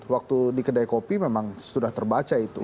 waktu di kedai kopi memang sudah terbaca itu